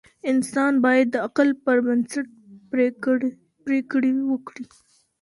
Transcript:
انسان باید د عقل پر بنسټ پریکړې وکړي.